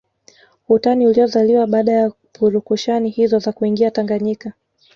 Utani uliozaliwa baada ya purukushani hizo za kuingia Tanganyika